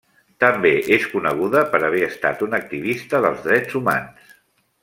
També és coneguda per haver estat una activista dels drets humans.